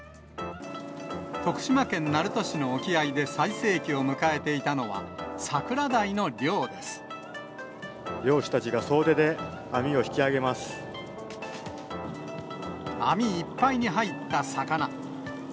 徳島県鳴門市の沖合で最盛期を迎えていたのは、漁師たちが総出で網を引き揚網いっぱいに入った魚。